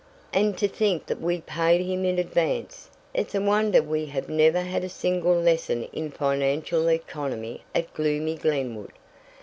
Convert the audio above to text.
"And to think that we paid him in advance! It's a wonder we have never had a single lesson in financial economy at gloomy Glenwood.